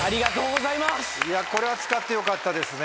これは使ってよかったですね。